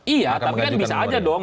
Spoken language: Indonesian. iya tapi kan bisa aja dong